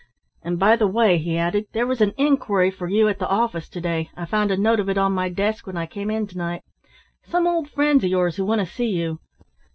"And, by the way," he added, "there was an inquiry for you at the office to day I found a note of it on my desk when I came in to night. Some old friends of yours who want to see you.